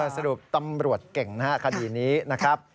สรุปตำรวจเก่งนะครับคดีนี้นะครับ